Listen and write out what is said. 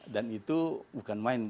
dan itu bukan main